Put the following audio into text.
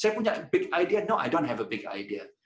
saya punya ide besar tidak saya tidak punya ide besar